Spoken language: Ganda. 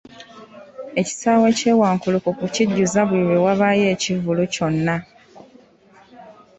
Ekisaawe ky'e Wankulukuku kijjuza buli lwe wabaayo ekivvulu kyonna.